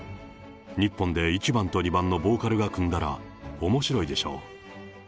日本で１番と２番のボーカルが組んだら、おもしろいでしょ。